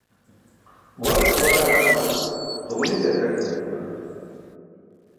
War ke war harṅulo tuġli ćarkat imanum juwan